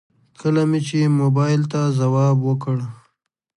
کله مې چې موبايل ته ځواب وکړ.